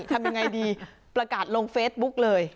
ทำยังไงดีประกาศลงเฟซบุ๊กเลย